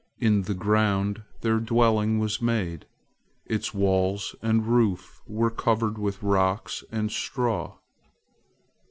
In the ground their dwelling was made. Its walls and roof were covered with rocks and straw.